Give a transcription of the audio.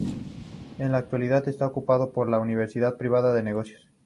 En la actualidad está ocupado por una universidad privada de negocios.